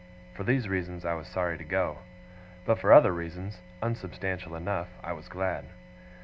For these reasons I was sorry to go; but for other reasons, unsubstantial enough, I was glad.